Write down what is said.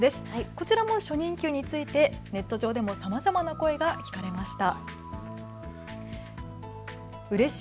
こちらも初任給についてネット上でもさまざまな声が聞かれました。